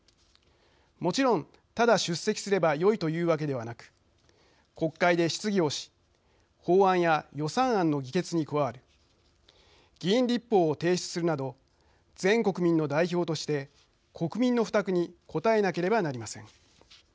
もちろんただ出席すればよいというわけではなく国会で質疑をし法案や予算案の議決に加わり議員立法を提出するなど全国民の代表として国民の負託に応えなければなりません。